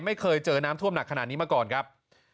ไม่เคยเจอน้ำท่วมหนักขนาดนี้มาก่อนครับ